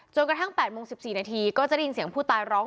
กระทั่ง๘โมง๑๔นาทีก็จะได้ยินเสียงผู้ตายร้อง